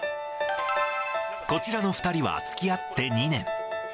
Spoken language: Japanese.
こちらの２人はつきあって２年。